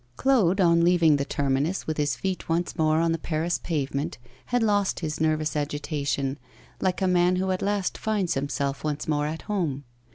Claude, on leaving the terminus, with his feet once more on the Paris pavement, had lost his nervous agitation, like a man who at last finds himself once more at home.